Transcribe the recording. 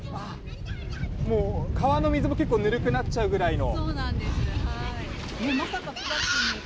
もう川の水も結構ぬるくなっちゃうぐらいの。